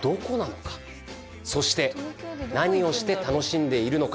そして何をして楽しんでいるのか？